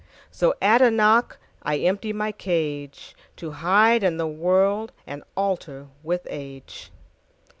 So at a knockI emptied my cageTo hide in the worldAnd alter with age.